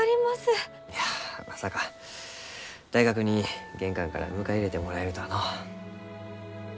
いやまさか大学に玄関から迎え入れてもらえるとはのう。